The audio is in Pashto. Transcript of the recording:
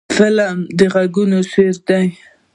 فلم د غږونو شعر دی